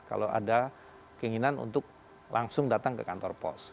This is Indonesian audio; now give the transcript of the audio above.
kalau ada keinginan untuk langsung datang ke kantor pos